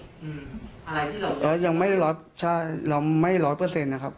อะไรที่เรายังไม่ได้ร้อยใช่เราไม่ร้อยเปอร์เซ็นต์นะครับ